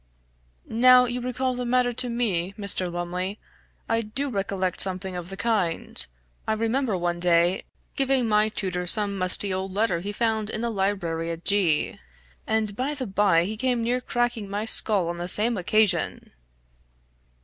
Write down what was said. "Now you recall the matter to me, Mr. Lumley, I do recollect something of the kind. I remember one day, giving my tutor some musty old letter he found in the library at G ; and by the bye he came near cracking my skull on the same occasion!"